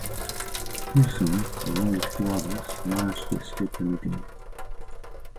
Pearson, along with two others, manage to escape the meeting.